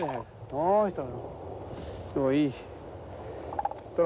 どうしたのよ？